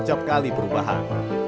sejak kali perubahan